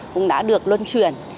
cũng đã được luân truyền